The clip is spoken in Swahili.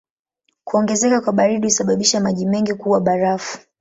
Kuongezeka kwa baridi husababisha maji mengi kuwa barafu.